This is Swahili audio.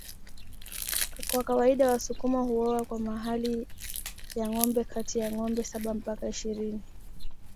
Kwa kawaida wasukuma huoa kwa mahali ya ngombe kati ya ngombe saba mpaka ishirini